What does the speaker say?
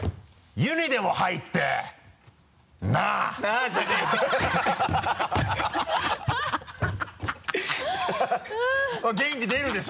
「湯にでも入ってなぁ？」です。